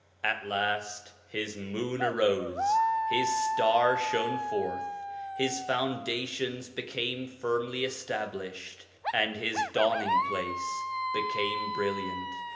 At last his moon arose, his star shone forth, his foundations became firmly established, and his dawning place became brilliant.